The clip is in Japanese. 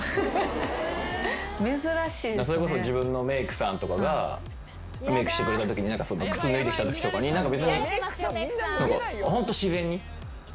それこそ自分のメークさんとかがメークしてくれたときに靴脱いできたときとかにホント自然に。